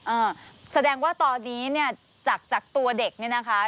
อ่าแสดงว่าตอนนี้เนี่ยจากจากตัวเด็กเนี่ยนะคะ